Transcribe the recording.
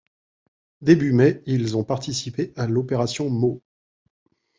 Début mai, ils ont participé à l'opération Mo.